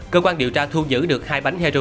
cơ quan điều tra thu giữ được hai bánh heroin